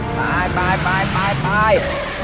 มุ่งสุดกับชัย